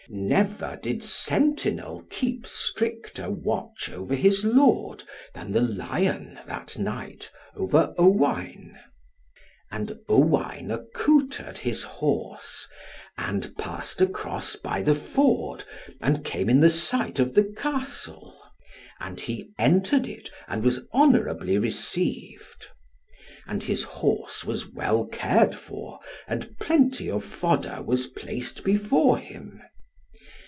Never did sentinel keep stricter watch over his lord, than the lion that night over Owain. And Owain accoutred his horse, and passed across by the ford, and came in the sight of the Castle. And he entered it, and was honourably received. And his horse was well cared for, and plenty of fodder was placed before him.